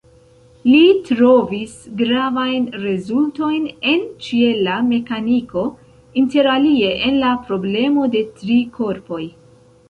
Li trovis gravajn rezultoj en ĉiela mekaniko, interalie en la problemo de tri korpoj.